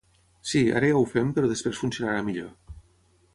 Sí, ara ja ho fem, però després funcionarà millor.